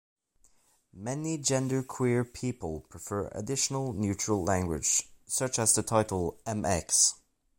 Many genderqueer people prefer additional neutral language, such as the title Mx.